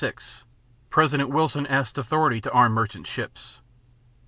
26 President Wilson asks authority to arm merchant ships.